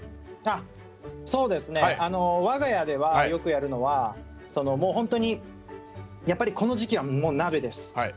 あそうですね。我が家ではよくやるのはホントにやっぱりこの時期はもう鍋です。